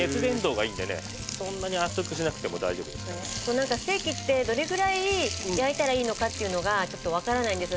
なんかステーキってどれくらい焼いたらいいのかっていうのがちょっとわからないんです。